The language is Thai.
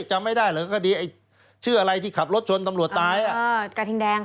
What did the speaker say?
จำไม่ได้เหรอคดีไอ้ชื่ออะไรที่ขับรถชนตำรวจตายอ่ะเออกระทิงแดงค่ะ